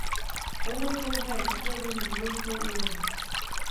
Europol hraje také velmi důležitou úlohu.